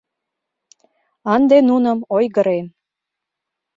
Ынде нуным ойгырен